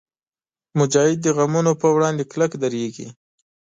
مجاهد د غمونو پر وړاندې کلک درېږي.